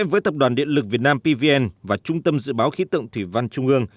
với tập đoàn điện lực việt nam pvn và trung tâm dự báo khí tượng thủy văn trung ương